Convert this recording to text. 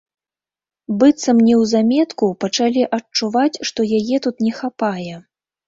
Быццам неўзаметку пачалі адчуваць, што яе тут не хапае.